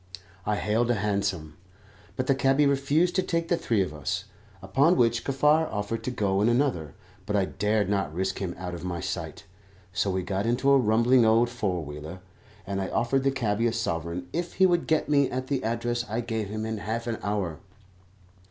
I hailed a hansom, but the cabby refused to take the three of us, upon which Kaffar offered to go in another; but I dared not risk him out of my sight, so we got into a rumbling old four wheeler, and I offered the cabby a sovereign if he would get me at the address I gave him in half an hour.